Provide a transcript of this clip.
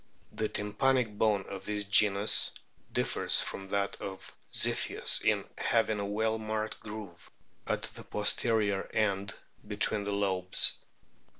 The tympanic bone of this genus differs from that of Ziphius in having a well marked groove at the pos terior end between the lobes.